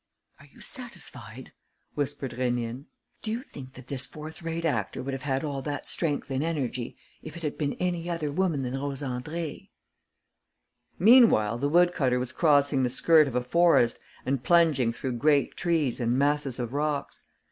"Are you satisfied?" whispered Rénine. "Do you think that this fourth rate actor would have had all that strength and energy if it had been any other woman than Rose Andrée?" Meanwhile the woodcutter was crossing the skirt of a forest and plunging through great trees and masses of rocks.